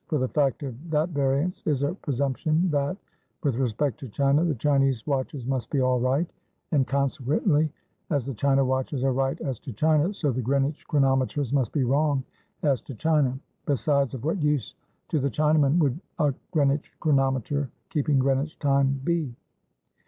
For the fact of that variance is a presumption that, with respect to China, the Chinese watches must be all right; and consequently as the China watches are right as to China, so the Greenwich chronometers must be wrong as to China. Besides, of what use to the Chinaman would a Greenwich chronometer, keeping Greenwich time, be?